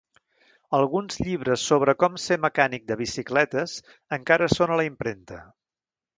Alguns llibres sobre com ser mecànic de bicicletes encara són a la impremta.